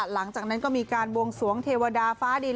หลังจากนั้นก็มีการบวงสวงเทวดาฟ้าดิน